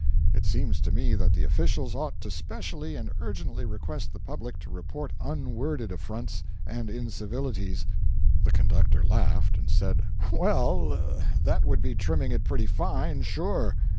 It seems to me that the officials ought to specially and urgently request the public to report unworded affronts and incivilities.' The conductor laughed, and said: 'Well, that would be trimming it pretty fine, sure!'